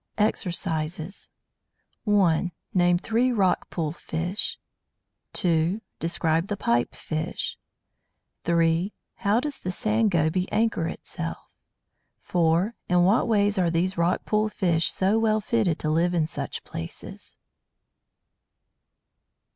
EXERCISES 1. Name three rock pool fish. 2. Describe the Pipe fish. 3. How does the Sand Goby anchor itself? 4. In what ways are these rock pool fish so well fitted to live in such places?